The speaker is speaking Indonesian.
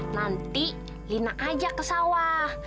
nanti lina ajak ke sawah